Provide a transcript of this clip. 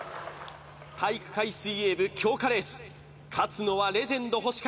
体育会水泳部強化レース勝つのはレジェンド星か？